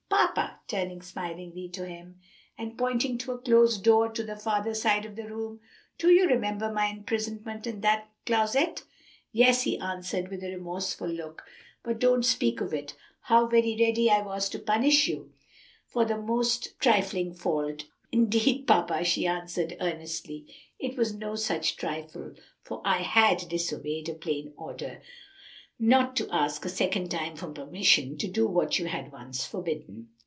"Papa," turning smilingly to him, and pointing to a closed door on the farther side of the room, "do you remember my imprisonment in that closet?" "Yes," he answered, with a remorseful look, "but don't speak of it. How very ready I was to punish you for the most trifling fault." "Indeed, papa," she answered earnestly, "it was no such trifle, for I had disobeyed a plain order not to ask a second time for permission to do what you had once forbidden."